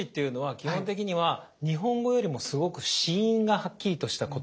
基本的には日本語よりもすごく子音がはっきりとした言葉なのね。